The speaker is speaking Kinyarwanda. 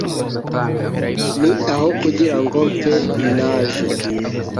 nti aho kugira ngo mfe naje